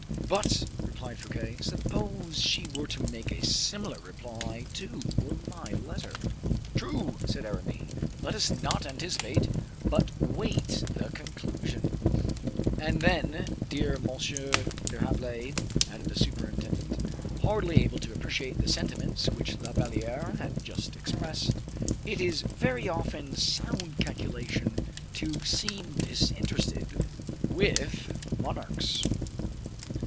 "But," replied Fouquet, "suppose she were to make a similar reply to my letter." "True!" said Aramis, "let us not anticipate, but wait the conclusion." "And then, dear Monsieur d'Herblay," added the superintendent, hardly able to appreciate the sentiments which La Valliere had just expressed, "it is very often sound calculation to seem disinterested with monarchs."